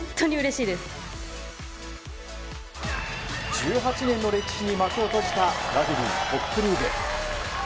１８年の歴史に幕を閉じたラグビートップリーグ。